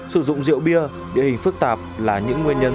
sử dụng rượu bia địa hình phức tạp là những nguyên nhân